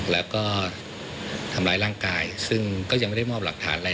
แล้วก็ทำร้ายร่างกายซึ่งก็ยังไม่ได้มอบหลักฐานอะไร